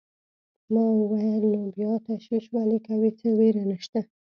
ما وویل: نو بیا تشویش ولې کوې، څه وېره نشته.